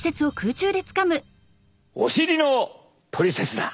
お尻のトリセツだ。